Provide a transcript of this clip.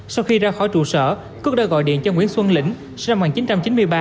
sau khi ra khỏi trụ sở quốc đã gọi điện cho nguyễn xuân lĩnh sinh năm một nghìn chín trăm chín mươi ba